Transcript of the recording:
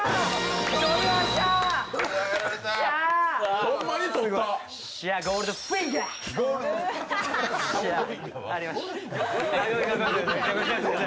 取りました！